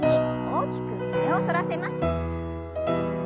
大きく胸を反らせます。